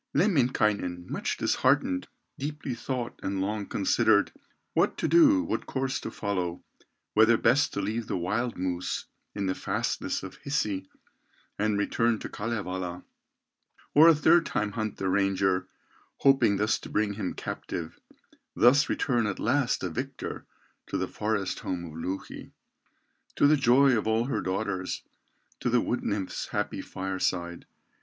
Lemminkainen, much disheartened, Deeply thought and long considered, What to do, what course to follow, Whether best to leave the wild moose In the fastnesses of Hisi, And return to Kalevala, Or a third time hunt the ranger, Hoping thus to bring him captive, Thus return at last a victor To the forest home of Louhi, To the joy of all her daughters, To the wood nymph's happy fireside.